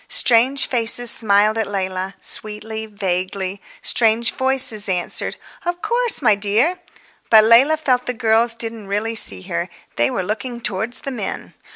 Strange faces smiled at Leila—sweetly, vaguely. Strange voices answered, "Of course, my dear." But Leila felt the girls didn't really see her. They were looking towards the men.